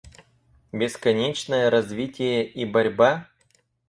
Бесконечное развитие и борьба?..